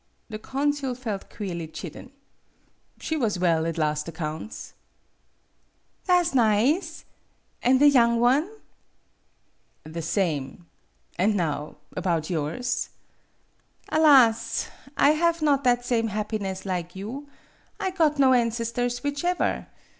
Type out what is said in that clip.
The consul felt queerly chidden. "She was well at last accounts." "Tha' 's nize. An' the young one ?" "The same. And now, about yours?" "Alas! I have not that same happiness lig you. I got not ancestors whichever.